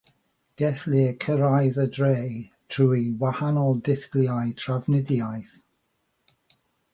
Gellir cyrraedd y dref trwy wahanol ddulliau trafnidiaeth.